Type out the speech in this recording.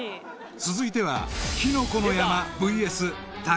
［続いては］